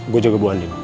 gue jaga bu andil